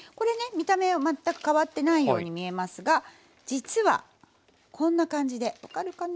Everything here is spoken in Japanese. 見た目は全く変わってないように見えますが実はこんな感じで分かるかな？